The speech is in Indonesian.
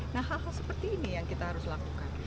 nah hal hal seperti ini yang kita harus lakukan